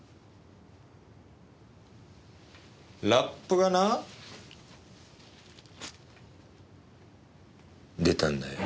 ラップがな出たんだよ。